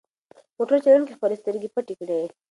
موټر چلونکي خپلې سترګې پټې کړې.